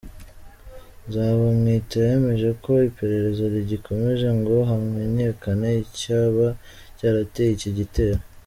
Nzabamwita yemeje ko iperereza rigikomeje ngo hamenyekane icyaba cyarateye iki gitero.